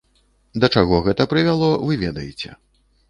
Да чаго гэта прывяло, вы ведаеце.